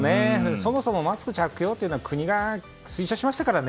そもそもマスク着用というのは国が推奨しましたからね。